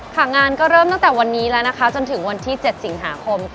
ค่ะงานก็เริ่มตั้งแต่วันนี้แล้วนะคะจนถึงวันที่๗สิงหาคม